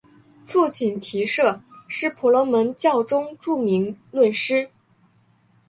父亲提舍是婆罗门教中著名论师。